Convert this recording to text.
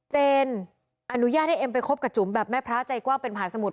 เจนอนุญาตให้เอมไปที่ไปชมกับแม่พราะห์ใจกว้าเป็นผ่านสมุทร